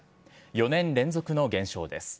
４年連続の減少です。